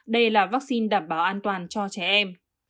đây là vaccine đảm bảo an toàn cho trẻ em